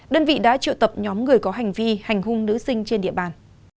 đơn vị đã triệu tập nhóm người có hành vi hành hung nữ sinh trên địa bàn